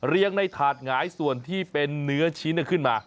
ในถาดหงายส่วนที่เป็นเนื้อชิ้นขึ้นมา